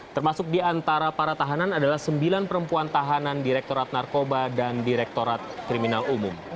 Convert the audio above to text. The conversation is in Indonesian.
termasuk di antara para tahanan adalah sembilan perempuan tahanan direktorat narkoba dan direktorat kriminal umum